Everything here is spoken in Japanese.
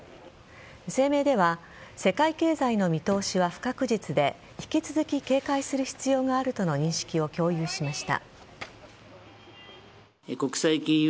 声明では世界経済の見通しは不確実で引き続き警戒する必要があるとの認識を共有しました。